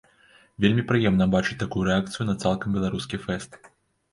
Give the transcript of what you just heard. Вельмі прыемна бачыць такую рэакцыю на цалкам беларускі фэст.